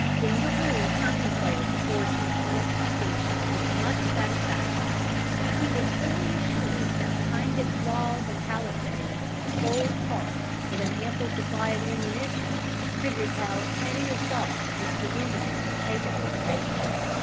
Daniel Boone contemplated the fortress on its completion with much satisfaction. He was fully assured that behind its walls and palisades bold hearts, with an ample supply of ammunition, could repel any assaults which the Indians were capable of making.